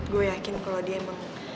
gue yakin kalau dia emang